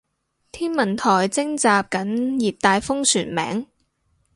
天文台徵集緊熱帶風旋名